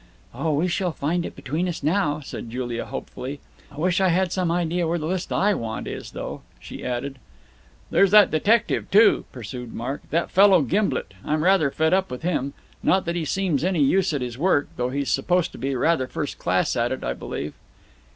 "Oh, we shall find it between us now," said Julia hopefully. "I wish I had some idea where the list I want is, though," she added. "There's that detective, too," pursued Mark. "That fellow Gimblet. I'm rather fed up with him. Not that he seems any use at his work, though he's supposed to be rather first class at it, I believe."